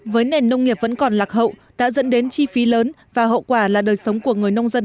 với nền nông nghiệp vẫn còn lạc hậu đã dẫn đến chi phí lớn và hậu quả là đời sống của người nông dân